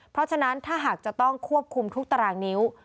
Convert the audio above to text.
เพราะฉะนั้นถ้าหากจะต้องควบคุมทุกตารางนิ้ว